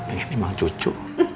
pengen emang cucu